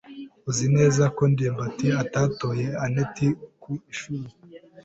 Uzi neza ko ndimbati atatoye anet ku ishuri?